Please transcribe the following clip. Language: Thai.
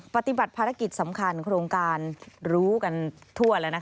ปฏิบัติภารกิจสำคัญโครงการรู้กันทั่วแล้ว